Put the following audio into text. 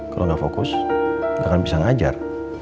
kalau nggak fokus nggak akan bisa ngajar